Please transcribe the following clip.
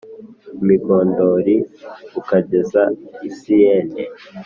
I migidoli r ukageza i siyene